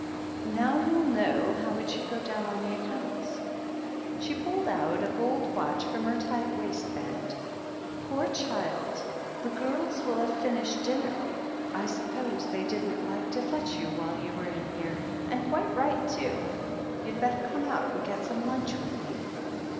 "Now you'll know how it should go down on the account." She pulled out a gold watch from her tight waist band. "Poor child! the girls will have finished dinner. I suppose they didn't like to fetch you while you were in here — ^and quite right too. You'd better come out and get some lunch with me."